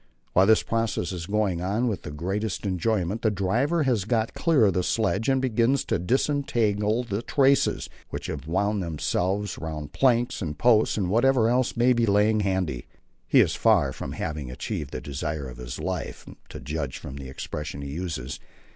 While this process is going on with the greatest enjoyment, the driver has got clear of the sledge and begins to distentangle the traces, which have wound themselves round planks and posts and whatever else maybe lying handy. He is far from having achieved the desire of his life to judge from the expressions he uses.